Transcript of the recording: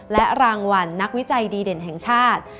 และรางวัลนักวิจัยดีเด่นแห่งชาติ